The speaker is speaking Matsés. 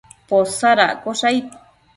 Posadaccosh aid